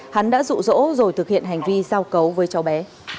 hắn đã rụ rỗ rồi thực hiện hành vi giao cấu với cháu bé